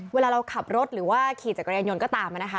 เวลาเราขับรถหรือว่าขี่จักรยานยนต์ก็ตามนะคะ